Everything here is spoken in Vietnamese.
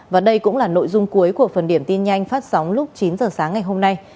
và đây cũng là nội dung cuối của phần điểm tin nhanh phát sóng lúc chín giờ sáng ngày hôm nay